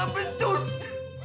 bapak gak berjus